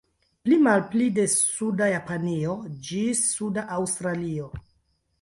Pli-malpli de suda Japanio ĝis suda Aŭstralio.